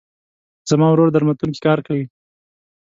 زما ورور درملتون کې کار کوي.